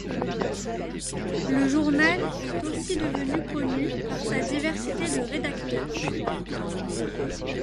Le journal est aussi devenu connu par sa diversité de rédacteurs.